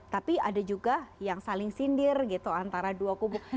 tapi ada juga yang saling sindir gitu antara dua kubu